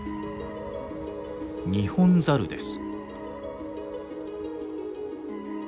ニホンザルです。